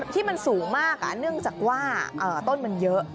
ที่มันสูงมากเนื่องจากว่าต้นมันเยอะ